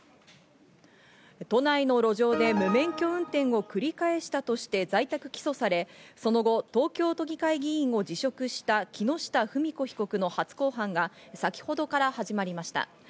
都内の路上で無免許運転を繰り返したとして在宅起訴され、その後東京都議会議員を辞職した木下冨美子被告の初公判が先ほどから始まりました。